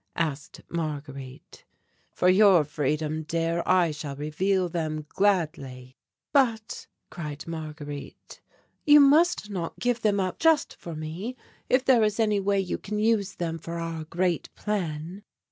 asked Marguerite. "For your freedom, dear, I shall reveal them gladly." "But," cried Marguerite, "you must not give them up just for me, if there is any way you can use them for our great plan."